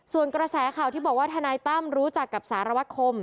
ส่วนกระแสข่าวที่บอกว่าทนายตั้มรู้จักกับสารวคม